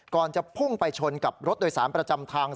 จะพุ่งไปชนกับรถโดยสารประจำทาง